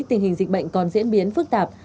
tình hình dịch bệnh còn diễn biến phức tạp